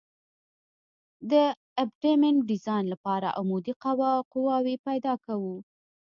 د ابټمنټ ډیزاین لپاره عمودي قواوې پیدا کوو